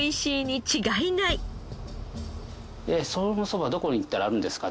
「そのそばどこに行ったらあるんですか？」